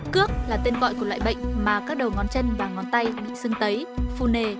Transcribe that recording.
cước là tên gọi của loại bệnh mà các đầu ngón chân và ngón tay bị sưng tấy phù nề